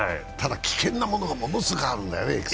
ただ、危険なものがものすごくあるんだよね。